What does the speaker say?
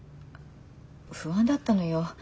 不安だったのよ